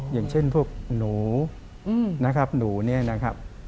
อย่างเช่นพวกหนูเนี่ยนะครับ